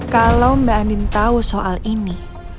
kalau mbak andin tahu soal ini